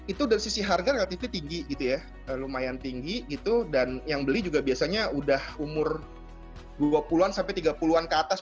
itu dari sisi harga relatifnya tinggi gitu ya lumayan tinggi gitu dan yang beli juga biasanya udah umur dua puluh an sampai tiga puluh an ke atas